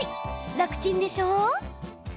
楽ちんでしょ！